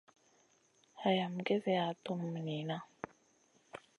Hayam gezeya tunum niyna.